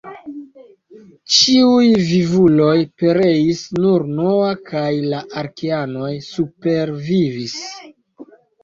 Ĉiuj vivuloj pereis, nur Noa kaj la arkeanoj supervivis.